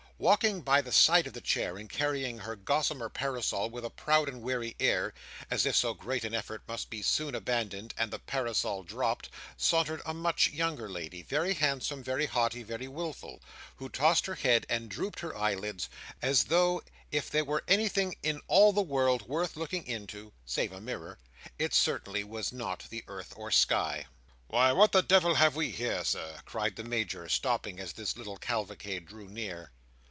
Walking by the side of the chair, and carrying her gossamer parasol with a proud and weary air, as if so great an effort must be soon abandoned and the parasol dropped, sauntered a much younger lady, very handsome, very haughty, very wilful, who tossed her head and drooped her eyelids, as though, if there were anything in all the world worth looking into, save a mirror, it certainly was not the earth or sky. "Why, what the devil have we here, Sir!" cried the Major, stopping as this little cavalcade drew near.